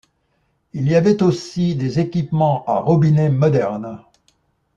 Il y avait aussi des équipements à robinets modernes.